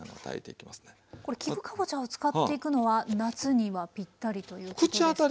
これ菊かぼちゃを使っていくのは夏にはピッタリということですか？